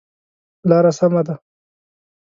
لاره سمه ده؟